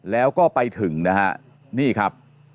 แล้วก็ไปถึงนะฮะนี่ครับ